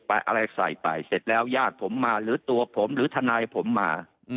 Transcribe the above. อะไรใส่ไปเสร็จแล้วญาติผมมาหรือตัวผมหรือทนายผมมา